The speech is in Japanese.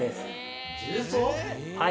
はい。